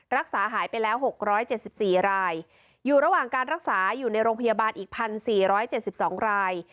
รักษาหายไปแล้วหกร้อยเจ็ดสิบสี่รายอยู่ระหว่างการรักษาอยู่ในโรงพยาบาลอีกพันสี่ร้อยเจ็ดสิบสองราย